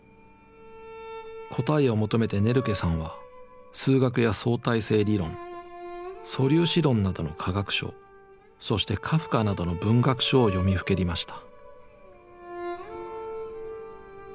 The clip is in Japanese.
答えを求めてネルケさんは数学や相対性理論素粒子論などの科学書そしてカフカなどの文学書を読みふけりました。